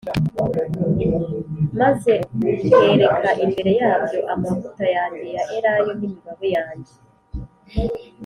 maze utereka imbere yabyo amavuta yanjye ya elayo n’imibavu yanjye